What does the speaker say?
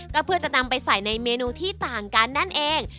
ก็เพื่อจะนำไปใส่ในเมนูที่ต่างกันนั่นเอง